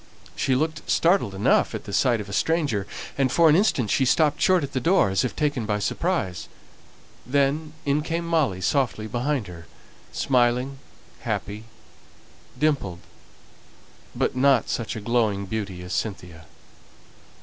She looked startled at the sight of a stranger, and for an instant she stopped short at the door, as if taken by surprise. Then in came Molly softly behind her, smiling, happy, dimpled; but not such a glowing beauty as Cynthia.